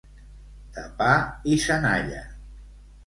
De pa i senalla.